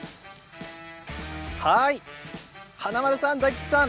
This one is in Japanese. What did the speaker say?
華丸さん、大吉さん